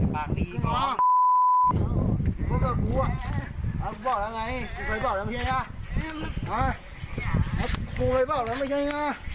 ปากปีก้อง